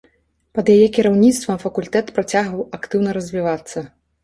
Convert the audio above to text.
Пад яе кіраўніцтвам факультэт працягваў актыўна развівацца.